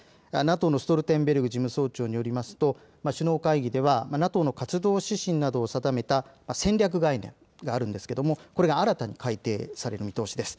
ＮＡＴＯのストルテンベルグ事務総長によりますと首脳会議ではＮＡＴＯの活動指針などを定めた戦略概念があるんですけれども、これが新たに改定される見通しです。